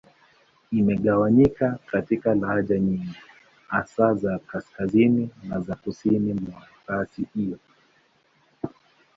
Imegawanyika katika lahaja nyingi, hasa za Kaskazini na za Kusini mwa rasi hiyo.